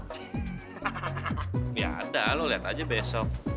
hahaha ya ada lo liat aja besok